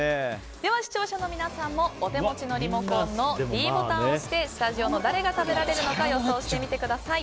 では視聴者の皆さんもお手持ちのリモコンのｄボタンを押してスタジオの誰が食べられるのか予想してみてください。